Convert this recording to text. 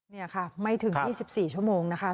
เนี้ยค่ะไม่ถึงยี่สิบสี่ชั่วโมงนะคะ